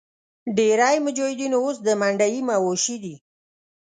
ډېری مجاهدین اوس د منډیي مواشي دي.